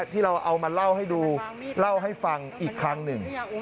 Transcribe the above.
ที่เราเอามาเล่าให้ดูเล่าให้ฟังอีกครั้งหนึ่ง